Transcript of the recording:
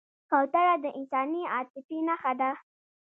کوتره د انساني عاطفې نښه ده.